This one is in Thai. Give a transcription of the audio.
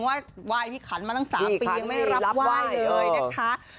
ไหว้พี่ขันมาตั้ง๓ปียังไม่รับไหว้เลยนะคะ